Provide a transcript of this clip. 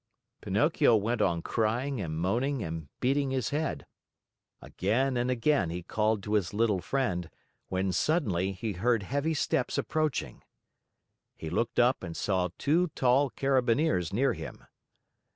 Pinocchio went on crying and moaning and beating his head. Again and again he called to his little friend, when suddenly he heard heavy steps approaching. He looked up and saw two tall Carabineers near him.